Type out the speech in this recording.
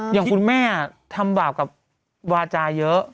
อย่างคุณแม่ทำบาปกับวาจาเยอะ